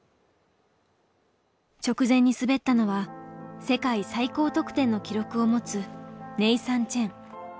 直前に滑ったのは世界最高得点の記録を持つネイサン・チェン。